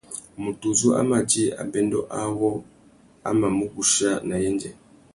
Mutu uzu a mà djï abêndô awô a mà mù guchia nà yendzê.